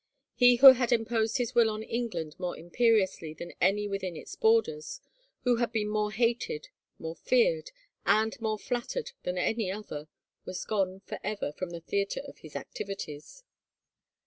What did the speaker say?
He who had imposed his will on England more imperiously than any within its borders, who had been more hated, more feared, and more flattered than any other, was gone for ever from the theater of his activities.